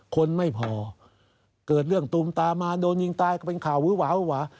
คนไม่พอเกิดเรื่องตูมตามาโดนยิงตายก็เป็นข่าววื้อหวาวหวา